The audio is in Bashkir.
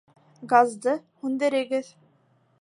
Газды һүндерегеҙ